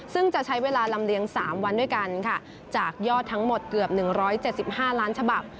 ซึ่งจะใช้เวลาลำเลียง๓วันด้วยกันค่ะจากยอดทั้งหมดเกือบ๑๗๕ล้านฉบับ